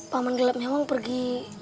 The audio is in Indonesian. paman gelap nyawang pergi